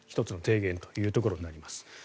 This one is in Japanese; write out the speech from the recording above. １つの提言というところになります。